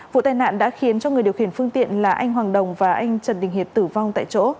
vụ tai nạn đã khiến cho người điều khiển phương tiện là anh hoàng đồng và anh trần đình hiệp tử vong tại chỗ